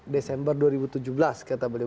desember dua ribu tujuh belas kata beliau